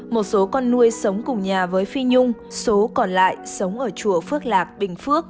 một số con nuôi sống cùng nhà với phi nhung số còn lại sống ở chùa phước lạc bình phước